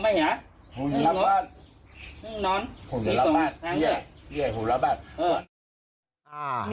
ผมจะรับบ้าน